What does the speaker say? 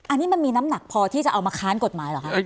อันนี้มันมีน้ำหนักพอที่จะเอามาค้านกฎหมายเหรอคะ